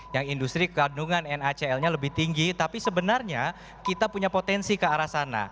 yang industri kandungan nacl nya lebih tinggi tapi sebenarnya kita punya potensi ke arah sana